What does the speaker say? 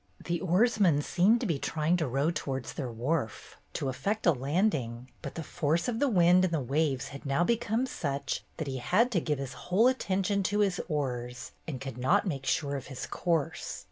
The oarsman seemed to be trying to row towards their wharf, to effect a landing, but the force of the wind and the waves had now become such that he had to give his whole attention to his oars and could not make sure of his course.